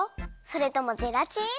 それともゼラチン？